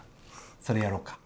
それやろうか。